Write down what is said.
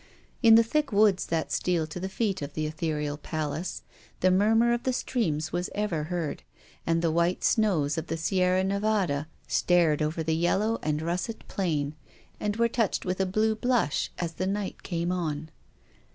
In the thick woods that steal to the feet of the ethereal Palace the murmur of the streams was ever heard, and the white snows of the Sierra Nevada stared over the yellow and russet plain, and were touched with a blue blush as the night came on.